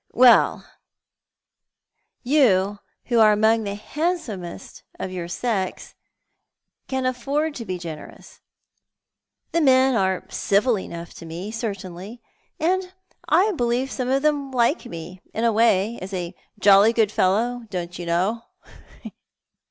" Well, you who are among the handsomest of your sex can afford to be generous. The men are civil enough to me, certainly ; and I believe some of thtm like me, in a way, as a jolly good fellow, don't you know."